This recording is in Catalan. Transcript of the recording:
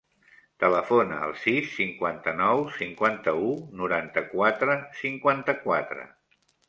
Telefona al sis, cinquanta-nou, cinquanta-u, noranta-quatre, cinquanta-quatre.